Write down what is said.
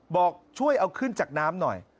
บอกช่วยเอาขึ้นจากน้ำหน่อย